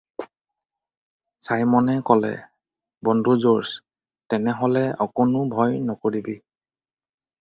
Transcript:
ছাইমনে ক'লে- "বন্ধু জৰ্জ, তেনেহ'লে অকণো ভয় নকৰিবি।"